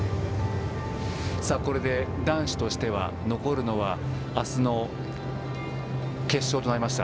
これで男子としては残るのはあすの決勝となりました。